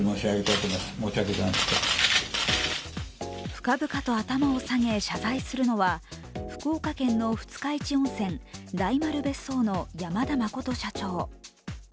深々と頭を下げ謝罪するのは福岡県の二日市温泉・大丸別荘の山田真社長。